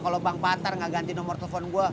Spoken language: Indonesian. kalau bang pantar gak ganti nomor telepon gua